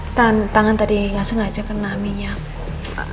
oke tangan tadi gak sengaja kena minyak